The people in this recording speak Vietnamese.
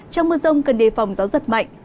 trong mưa rông cần đề phòng gió giật mạnh